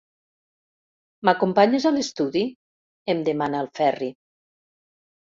M'acompanyes a l'estudi? –em demana el Ferri.